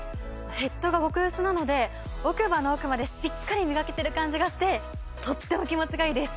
ヘッドが極薄なので奥歯の奥までしっかりみがけてる感じがしてとっても気持ちがイイです！